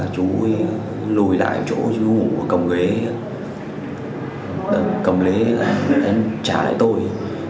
chú lùi lại chỗ chú ngủ cầm ghế cầm lế anh trả lại tôi